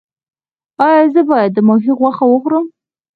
ایا زه باید د ماهي غوښه وخورم؟